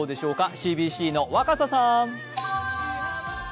ＣＢＣの若狭さん。